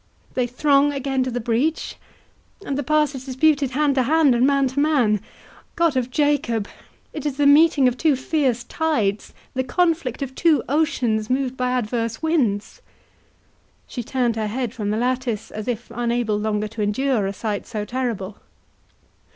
They throng again to the breach, and the pass is disputed hand to hand, and man to man. God of Jacob! it is the meeting of two fierce tides—the conflict of two oceans moved by adverse winds!" She turned her head from the lattice, as if unable longer to endure a sight so terrible.